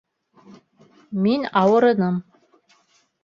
Мин ауырыным.